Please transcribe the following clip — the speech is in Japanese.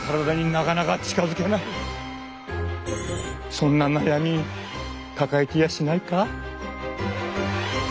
そんな悩み抱えていやしないか？